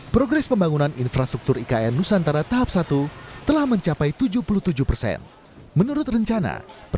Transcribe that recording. persoalan pertanahan itu enggak